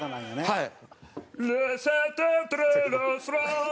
はい。